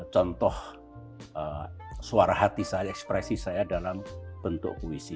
contoh suara hati saya ekspresi saya dalam bentuk puisi